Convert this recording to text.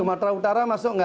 sumatera utara masuk nggak